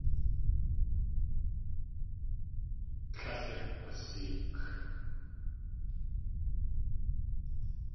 Tlél yakg̲waseek.